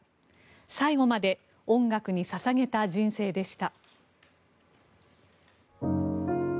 最後まで音楽に捧げた人生でした。